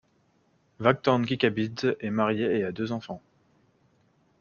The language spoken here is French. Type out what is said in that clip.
Vakhtang Kikabidze est marié et a deux enfants.